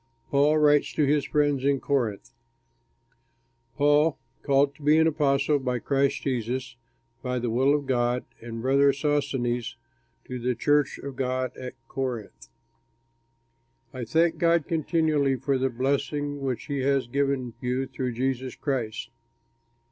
PAUL WRITES TO HIS FRIENDS IN CORINTH Paul, called to be an apostle of Christ Jesus by the will of God, and brother Sosthenes to the church of God at Corinth. I thank God continually for the blessing which he has given you through Jesus Christ.